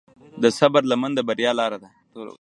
د صبر لمن د بریا لاره ده.